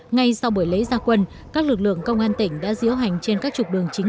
ngay sau buổi lễ gia quân các lực lượng công an tỉnh đã diễu hành trên các trục đường chính